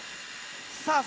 さあ